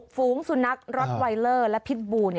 ฝูงสุนัขร็อตไวเลอร์และพิษบู